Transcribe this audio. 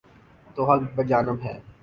تو حق بجانب ہیں۔